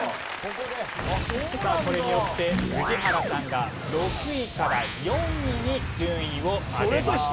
さあこれによって宇治原さんが６位から４位に順位を上げました。